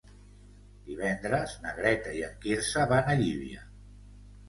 Divendres na Greta i en Quirze van a Llívia.